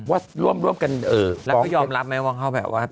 ว่าร่วมร่วมกันแล้วก็ยอมรับไหมว่า